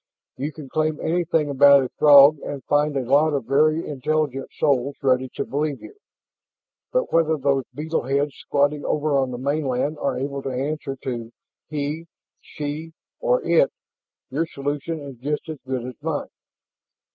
You can claim anything about a Throg and find a lot of very intelligent souls ready to believe you. But whether those beetle heads squatting over on the mainland are able to answer to 'he,' 'she,' or 'it,' your solution is just as good as mine.